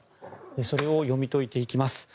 それを読み解いていきます。